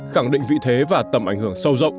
khẳng định vị thế và tầm ảnh hưởng sâu rộng